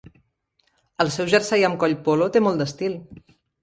El seu jersei amb coll polo té molt d'estil.